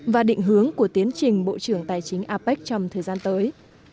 và định hướng của tiến trình bộ trưởng tài chính apec trong thời gian tới